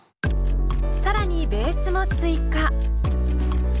更にベースも追加。